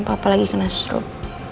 papa lagi kena stroke